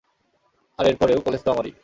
আর এরপরেও, কলেজ তো আমারই।